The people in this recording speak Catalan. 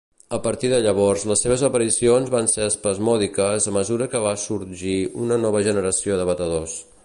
A partir de llavors les seves aparicions van ser espasmòdiques a mesura que va sorgir una nova generació de batedors.